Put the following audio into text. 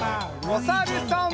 おさるさん。